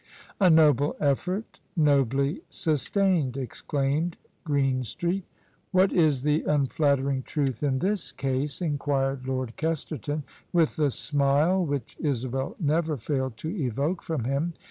" A noble effort, nobly sustained !" exclaimed Green street. "What is the unflattering truth in this case?" enquired Lord Kesterton, with the smile which Isabel never failed to evoke from him.